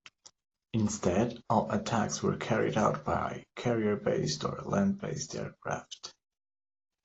Instead, all attacks were carried out by carrier-based or land-based aircraft.